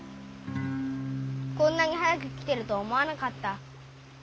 こんなに早く来てると思わなかった。